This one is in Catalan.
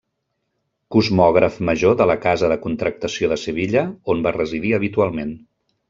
Cosmògraf major de la Casa de Contractació de Sevilla, on va residir habitualment.